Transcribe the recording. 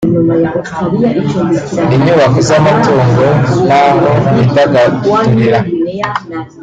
inyubako z’amatungo n’aho bidagadurira